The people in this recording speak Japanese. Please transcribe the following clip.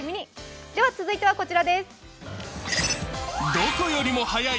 続いてはこちらです。